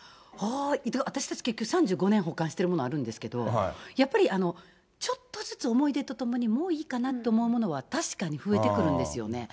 私たち、結局、３５年保管しているものあるんですけれども、やっぱりちょっとずつ思い出とともに、もういいかなと思うものは、確かに増えてくるんですよね。